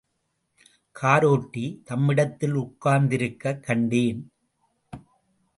காரோட்டி தம்மிடத்தில் உட்கார்த்திருக்கக் கண்டேன்.